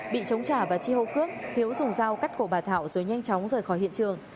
bị chống trả và chi hô cướp hiếu dùng dao cắt cổ bà thảo rồi nhanh chóng rời khỏi hiện trường